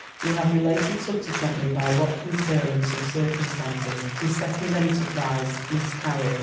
We have related subsequently by what concurrence of circumstances his second enterprise miscarried.